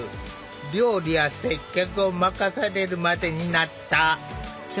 料理や接客を任されるまでになった。